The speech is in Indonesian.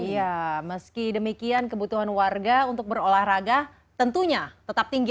iya meski demikian kebutuhan warga untuk berolahraga tentunya tetap tinggi